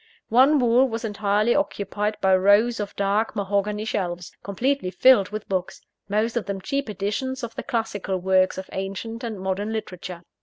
One wall was entirely occupied by rows of dark mahogany shelves, completely filled with books, most of them cheap editions of the classical works of ancient and modern literature.